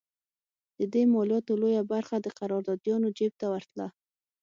د دې مالیاتو لویه برخه د قراردادیانو جېب ته ورتله.